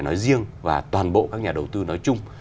nói riêng và toàn bộ các nhà đầu tư nói chung